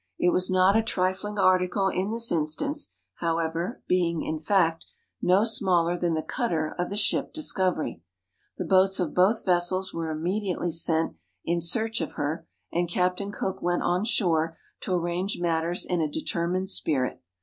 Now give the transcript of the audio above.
It was not a trifling article in this instance, however, being, in fact, no smaller than the cutter of the ship Discovery. The boats of both vessels were immedi ately sent in search of her, and Captain Cook went on shore to arrange matters in a determined spirit.